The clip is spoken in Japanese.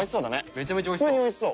めちゃめちゃ美味しそう。